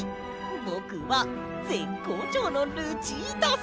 ぼくはぜっこうちょうのルチータさ！